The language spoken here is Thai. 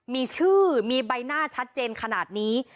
มีชื่อมีใบหน้าชัดเจนขนาดนี้